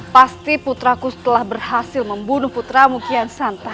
pasti putraku telah berhasil membunuh putramu kian santai